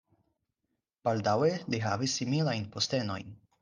Baldaŭe li havis similajn postenojn.